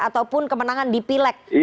ataupun kemenangan di pileg